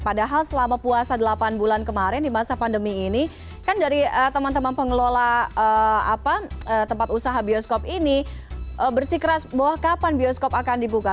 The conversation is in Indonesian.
padahal selama puasa delapan bulan kemarin di masa pandemi ini kan dari teman teman pengelola tempat usaha bioskop ini bersikeras bahwa kapan bioskop akan dibuka